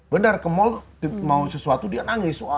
benar ke mall mau sesuatu dia nangis